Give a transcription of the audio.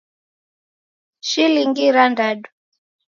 Shilingi irandadu